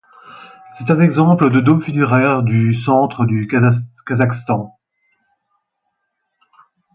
C'est un exemple de dôme funéraire du du centre du Kazakhstan.